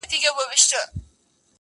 دا د نور په تلاوت بې هوښه سوی دی~